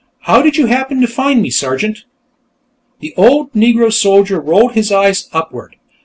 "How did you happen to find me, Sergeant?" The old Negro soldier rolled his eyes upward.